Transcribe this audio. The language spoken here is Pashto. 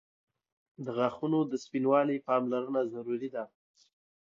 • د غاښونو د سپینوالي پاملرنه ضروري ده.